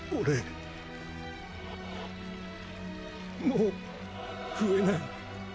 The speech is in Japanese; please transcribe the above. もう増えない。